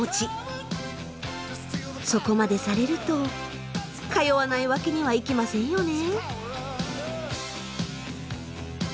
そこまでされると通わないわけにはいきませんよね。